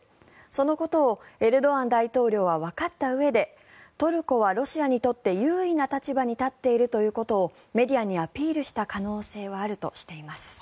そのことをエルドアン大統領はわかったうえでトルコはロシアにとって優位な立場に立っているということをメディアにアピールした可能性はあるとしています。